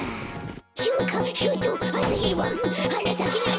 「しゅんかしゅうとうあさひるばん」「はなさけ」